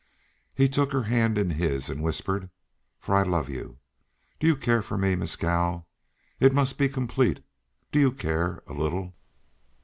He took her hand in his and whispered, "For I love you. Do you care for me? Mescal! It must be complete. Do you care a little?"